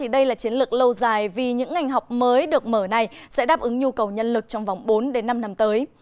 đây là chiến lược lâu dài vì những ngành học mới được mở này sẽ đáp ứng nhu cầu nhân lực trong vòng bốn năm năm tới